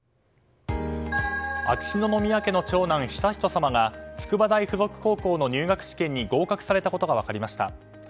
秋篠宮家の長男・悠仁さまが筑波大附属高校の入学試験に合格されたことが分かりました。